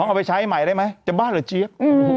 เอาไปใช้ใหม่ได้ไหมจะบ้าเหรอเจี๊ยบ